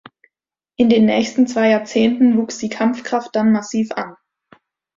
In den nächsten zwei Jahrzehnten wuchs die Kampfkraft dann massiv an.